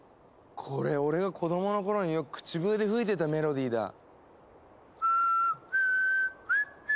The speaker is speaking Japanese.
これ俺が子どもの頃によく口笛で吹いてたメロディーだ。